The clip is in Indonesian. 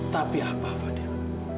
tapi apa fadil